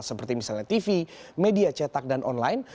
seperti misalnya tv media cetak dan online